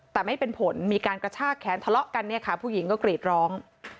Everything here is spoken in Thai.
แต่ไม่เป็นผลมีการกระชากแขนทะเลาะกันเนี่ยค่ะผู้หญิงก็กรีดร้อง